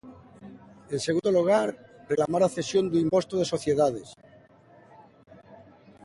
En segundo lugar, reclamar a cesión do imposto de sociedades.